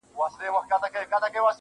د خپل ښايسته خيال پر رنگينه پاڼه